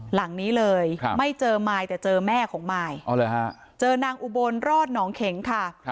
หลังนี้เลยไม่เจอมายแต่เจอแม่ของมายเจอนางอุบลรอดหนองเข็งค่ะ